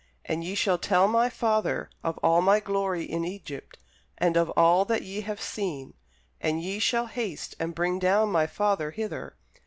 And ye shall tell my father of all my glory in Egypt, and of all that ye have seen; and ye shall haste and bring down my father hither.